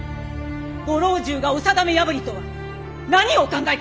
ご老中がお定め破りとは何をお考えか！